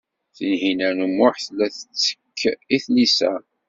Tinhinan u Muḥ tella tettekk i tlisa.